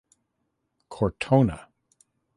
Cortona.